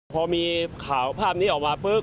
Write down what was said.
พอมีข่าวภาพนี้ออกมาปุ๊บ